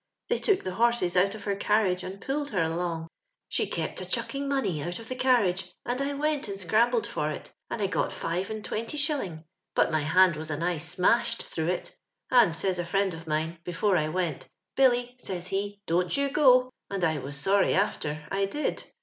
Tln y took the horses out of lier con iage and pulled her along. She kept a chucking money out of the carriAge, and I went and scrambled for it, and I got livo and twenty shilHn, but my hand was a nigh smashed through it ; and, says a friend of mine, before 1 went, * Billy,' says he, * don't you go ;' and I was soiTy alter 1 <Ud.